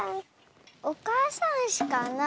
おかあさんうしかな